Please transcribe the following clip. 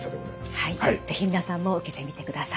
是非皆さんも受けてみてください。